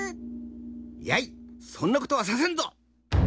「やいそんなことはさせんぞ！」。